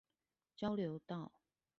交流道